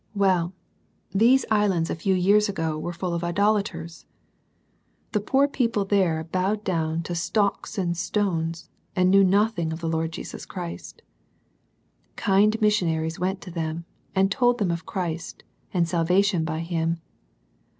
Well, these Islands a few years ago were full of idolaters. The poor people there bowed down to stocks and stones, and knew nothing of the Lord Jesus Christ. Kind missionaries went to them, and told them of Christ, and salvation by Him.